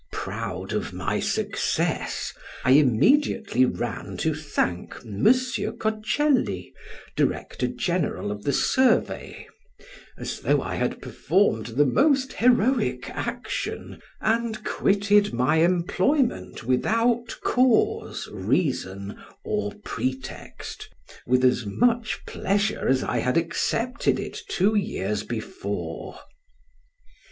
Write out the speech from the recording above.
Proud of my success, I immediately ran to thank M. Coccelli, Director General of the Survey, as though I had performed the most heroic action, and quitted my employment without cause, reason, or pretext, with as much pleasure as I had accepted it two years before.